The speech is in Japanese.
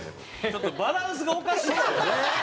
ちょっとバランスがおかしいですよ。